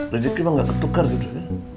lagi lagi emang gak ketukar gitu